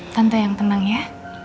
tante yang tenang ya